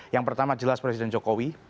yang pertama jelas presiden jokowi